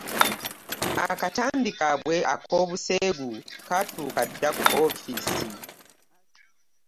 Akatambi kaabwe ak'obuseegu katuuka dda ku ofiisi